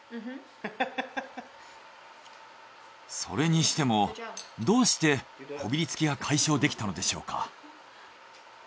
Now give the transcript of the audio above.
それにしてもどうしてこびりつきが解消できたのでしょうか？